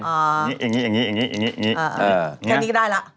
แค่นี้ก็ได้ละ